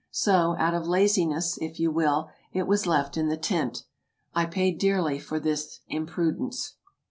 So, out of lazi ness if you will, it was left in the tent. I paid dearly for the imprudence.